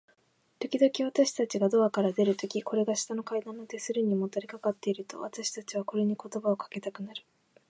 ときどき、私たちがドアから出るとき、これが下の階段の手すりにもたれかかっていると、私たちはこれに言葉をかけたくなる。